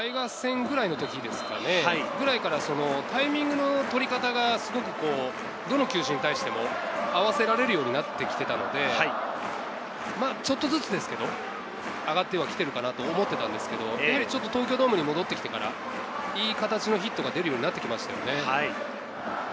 僕は前回のタイガース戦くらいの時ぐらいから、タイミングの取り方がすごく、どの球種に対しても合わせられるようになってきていたので、ちょっとずつですけど、上がっては来ているかなと思っていたんですけど、東京ドームに戻ってきてから、いい形のヒットがでるようになってきましたよね。